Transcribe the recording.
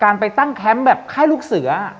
การไปตั้งแคมพ์แค่รุ่งเสือ